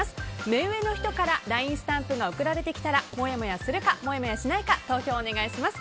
目上の人からＬＩＮＥスタンプが送られてきたらもやもやするかもやもやしないか投票お願いします。